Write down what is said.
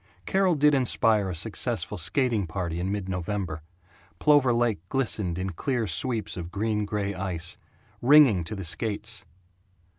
Carol did inspire a successful skating party in mid November. Plover Lake glistened in clear sweeps of gray green ice, ringing to the skates.